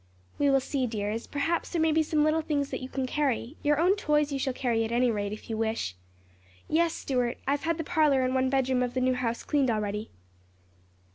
"We will see, dears; perhaps there may be some little things that you can carry; your own toys you shall carry at any rate, if you wish. Yes, Stuart, I have had the parlor and one bedroom of the new house cleaned already."